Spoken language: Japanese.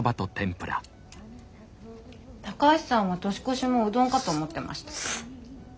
高橋さんは年越しもうどんかと思ってました。